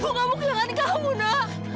gue gak mau kehilangan kamu nak